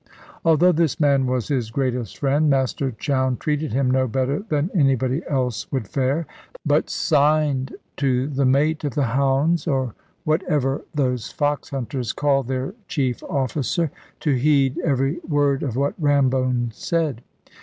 Although this man was his greatest friend, Master Chowne treated him no better than anybody else would fare; but signed to the mate of the hounds, or whatever those fox hunters call their chief officer, to heed every word of what Rambone said.